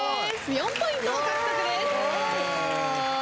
４ポイント獲得です。